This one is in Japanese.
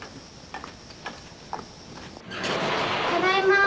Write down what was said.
ただいまー。